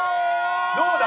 どうだ？